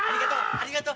ありがとう！